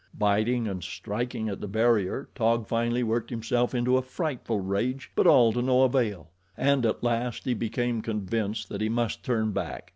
Biting and striking at the barrier, Taug finally worked himself into a frightful rage, but all to no avail; and at last he became convinced that he must turn back.